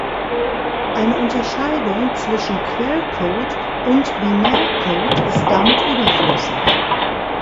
Eine Unterscheidung zwischen Quellcode und Binärcode ist damit überflüssig.